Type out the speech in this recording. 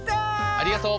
ありがとう。